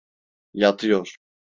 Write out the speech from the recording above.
Yatıyor.